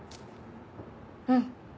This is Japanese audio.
うん。